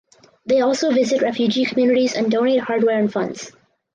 They also visit refugee communities and donate hardware and funds.